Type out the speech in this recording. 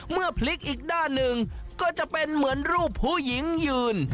เมื่อพลิกอีกด้านหนึ่งก็จะเป็นเหมือนรูปผู้หญิงยืน